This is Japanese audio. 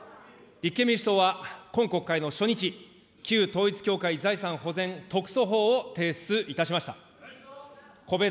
立憲民主党は今国会の初日、旧統一教会財産保全特措法を提出いたしました。